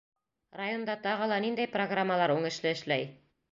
— Районда тағы ла ниндәй программалар уңышлы эшләй?